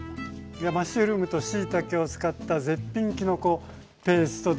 マッシュルームとしいたけを使った絶品きのこペーストでした。